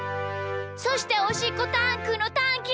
そしておしっこタンクのタンキー！